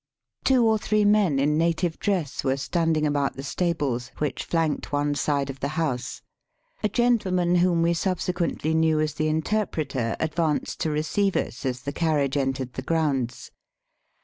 Two or three men in native dress were standing about the stables, which flanked one side of the house. A gentleman whom we sub sequently knew as the interpreter advanced to receive us as the carriage entered the grounds.